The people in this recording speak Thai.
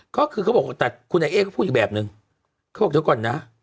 ก็คือเขาบอกว่าแต่คุณไอ้เอ้ยเขาพูดอีกแบบหนึ่งเขาบอกเท่าก่อนนะ